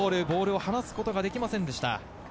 ボールを離すことができませんでした。